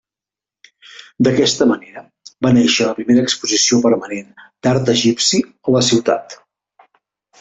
D'aquesta manera va néixer la primera exposició permanent d'art egipci a la ciutat.